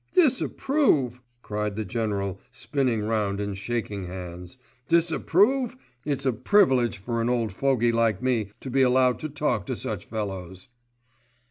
"Disapprove!" cried the General spinning round and shaking hands. "Disapprove! It's a privilege for an old fogey like me to be allowed to talk to such fellows."